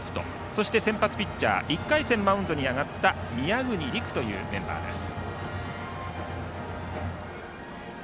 そして先発ピッチャーは１回戦、マウンドに上がった宮國凌空というメンバーです。